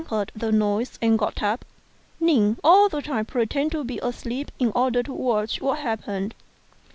Yen heard the noise and got up, Ning all the time pretending to be asleep in order to watch what happened.